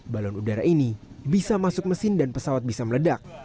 balon udara ini bisa masuk mesin dan pesawat bisa meledak